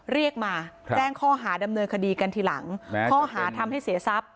เรียกมาแจ้งข้อหาดำเนินคดีกันทีหลังข้อหาทำให้เสียทรัพย